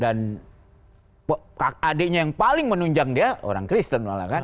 dan adeknya yang paling menunjang dia orang kristen lah kan